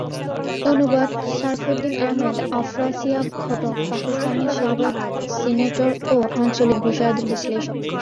অনুবাদ সারফুদ্দিন আহমেদ আফ্রাসিয়াব খটক পাকিস্তানের সাবেক সিনেটর ও আঞ্চলিক বিষয়াদির বিশ্লেষক